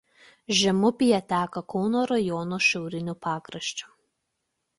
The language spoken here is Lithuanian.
Žemupyje teka Kauno rajono šiauriniu pakraščiu.